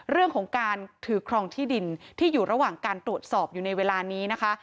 เรื่องของการถือครองที่ดินที่อยู่ระหว่างการตรวจสอบอยู่ในเวลานี้นะคะ